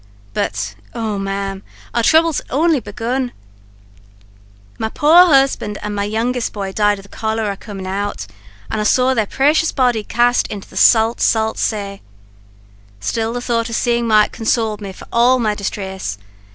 "But oh, Ma'am, our throubles had only begun. My poor husband and my youngest bhoy died of the cholera comin' out; an' I saw their prechious bodies cast into the salt, salt saa. Still the hope of seeing Mike consowled me for all my disthress.